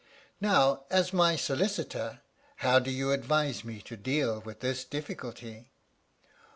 "Now, as my Solicitor, how do you advise me to deal with this difficulty?"